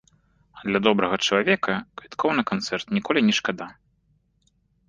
А для добрага чалавека квіткоў на канцэрт ніколі не шкада!